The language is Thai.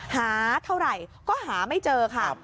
หาเท่าไหร่ก็หาไม่เจอค่ะ